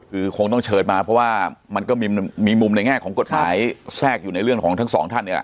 คือคงต้องเชิญมาเพราะว่ามันก็มีมุมในแง่ของกฎหมายแทรกอยู่ในเรื่องของทั้งสองท่านเนี่ยแหละ